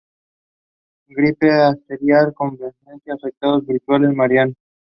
Gripe, astenia, convalecencia, afecciones febriles, malaria.